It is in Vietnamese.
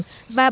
và bảo vệ rừng